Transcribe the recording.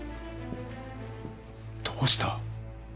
どうした？